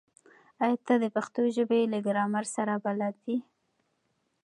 ایا ته د پښتو ژبې له ګرامر سره بلد یې؟